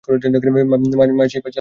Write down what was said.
মা সেই পাঁচিল আরও উঁচু করলেন।